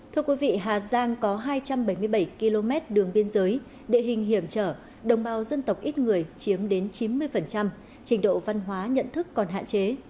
thưa quý vị hà giang có hai trăm bảy mươi bảy km đường biên giới địa hình hiểm trở đồng bào dân tộc ít người chiếm đến chín mươi trình độ văn hóa nhận thức còn hạn chế